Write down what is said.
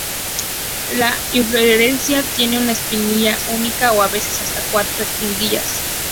La inflorescencia tiene una espiguilla única, o, a veces hasta cuatro espiguillas.